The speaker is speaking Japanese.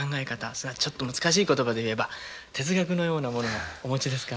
それはちょっと難しい言葉で言えば哲学のようなものもお持ちですか？